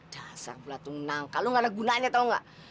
dasar pula tuh menangkal lo nggak ada gunanya tau nggak